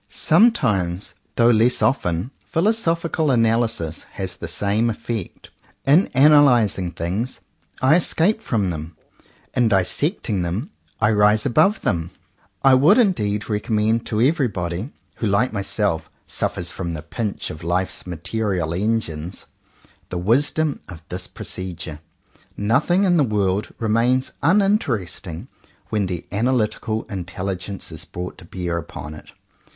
Sometimes, though less often, philosoph ical analysis has the same effect. In analyzing things, I escape from them. In dissecting them, I rise above them. I 105 CONFESSIONS OF TWO BROTHERS would indeed recommend to everybody, who like myself suffers from the pinch of life's material engines, the wisdom of this procedure. Nothing in the world remains uninteresting when the analytical intelli gence is brought to bear upon it.